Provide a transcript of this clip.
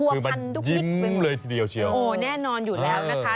คือมันยิ้มเลยทีเดียวเชียวแน่นอนอยู่แล้วนะคะ